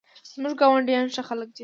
زموږ ګاونډیان ښه خلک دي